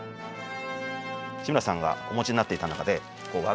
志村さんがお持ちになっていた中で和傘があります。